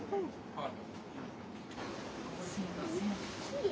はい。